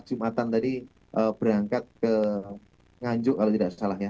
jumatan tadi berangkat ke nganjuk kalau tidak salah ya